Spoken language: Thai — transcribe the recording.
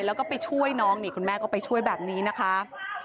แล้วก็ไปช่วยน้องนี่คุณแม่ก็ไปช่วยแบบนี้นะคะ